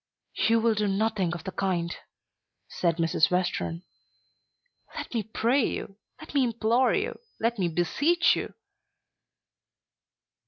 "You will do nothing of the kind," said Mrs. Western. "Let me pray you. Let me implore you. Let me beseech you."